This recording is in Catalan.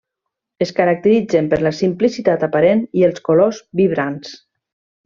Es caracteritzen per la simplicitat aparent i els colors vibrants.